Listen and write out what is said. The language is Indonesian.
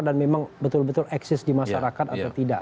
dan memang betul betul eksis di masyarakat atau tidak